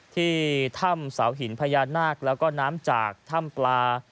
ที่ถ้ำเสาหินพญานาคแล้วก็น้ำจากถ้ำปลา